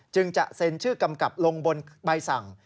จึงจะเซ็นชื่อกำกับลงบนใบสั่ง